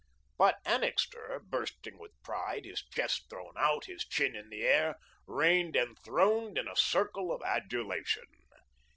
But Annixter, bursting with pride, his chest thrown out, his chin in the air, reigned enthroned in a circle of adulation.